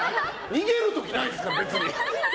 逃げる時、ないですから！